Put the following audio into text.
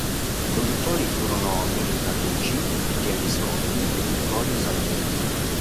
Conduttori furono Milly Carlucci, Gerry Scotti e Vittorio Salvetti.